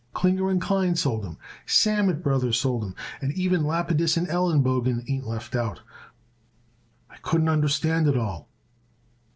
Klinger & Klein sold him, Sammet Brothers sold him, and even Lapidus & Elenbogen ain't left out. I couldn't understand it at all."